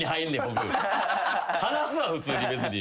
話すわ普通に別に。